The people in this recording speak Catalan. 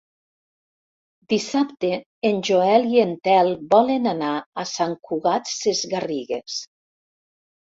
Dissabte en Joel i en Telm volen anar a Sant Cugat Sesgarrigues.